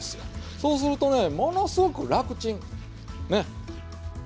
そうするとねものすごく楽ちん。ね？